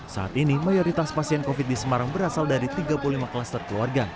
saat ini mayoritas pasien covid di semarang berasal dari tiga puluh lima klaster keluarga